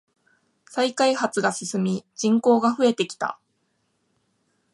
再開発が進み人口が増えてきた。